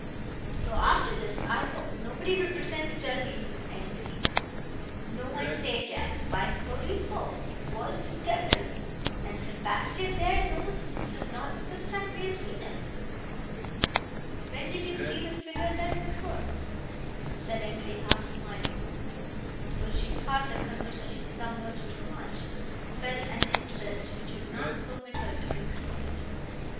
So after this, I hope nobody will pretend to tell me it was anybody. No, I say again, by holy Pope! it was the devil, and Sebastian, there, knows this is not the first time we have seen him." "When did you see the figure, then, before?" said Emily half smiling, who, though she thought the conversation somewhat too much, felt an interest, which would not permit her to conclude it.